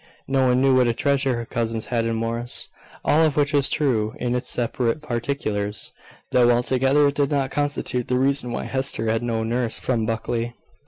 No one knew what a treasure her cousins had in Morris. All of which was true in its separate particulars, though altogether it did not constitute the reason why Hester had no nurse from Buckley.